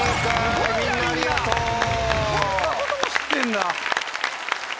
こんなことも知ってんだ。